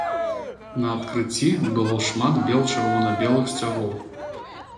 На адкрыцці было шмат бел-чырвона-белых сцягоў.